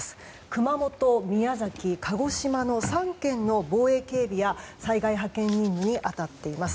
熊本、宮崎、鹿児島の３県の防衛警備や災害派遣任務に当たっています。